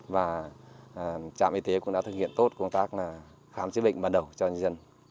và trạm y tế cũng đã thực hiện tốt công tác khám chế bệnh bắt đầu cho nhân dân